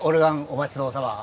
お待ち遠さま！